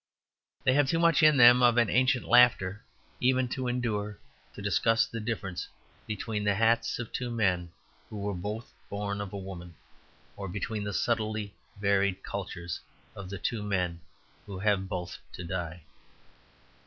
They have too much in them of an ancient laughter even to endure to discuss the difference between the hats of two men who were both born of a woman, or between the subtly varied cultures of two men who have both to die.